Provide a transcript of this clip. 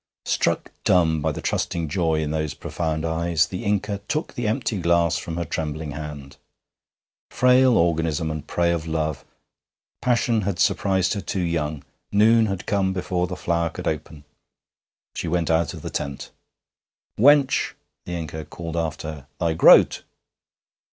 Struck dumb by the trusting joy in those profound eyes, the Inca took the empty glass from her trembling hand. Frail organism and prey of love! Passion had surprised her too young. Noon had come before the flower could open. She went out of the tent. 'Wench!' the Inca called after her, 'thy groat!'